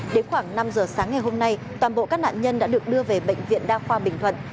đến khoảng năm giờ sáng ngày hôm nay toàn bộ các nạn nhân đã được đưa về bệnh viện đa khoa bình thuận